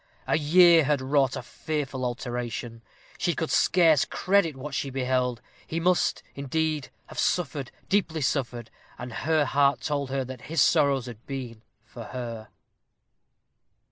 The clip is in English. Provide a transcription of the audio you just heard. A year had wrought a fearful alteration; she could scarce credit what she beheld. He must, indeed, have suffered deeply suffered; and her heart told her that his sorrows had been for her.